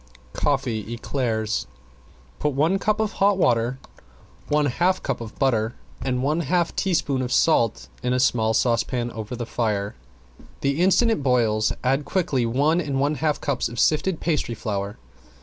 ~COFFEE ECLAIRS~ Put one cup of hot water, one half cup of butter and one half teaspoon of salt in a small saucepan over the fire. The instant it boils add quickly one and one half cups of sifted pastry flour.